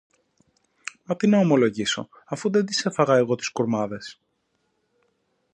Μα τι να ομολογήσω, αφού δεν τις έφαγα εγώ τις κουρμάδες!